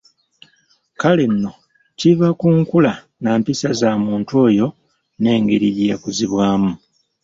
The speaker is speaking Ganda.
Kale nno kiva ku nkula nampisa za muntu oyo n'engeri gye yakuzibwamu.